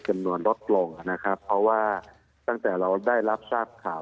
ลดลงนะครับเพราะว่าตั้งแต่เราได้รับทราบข่าว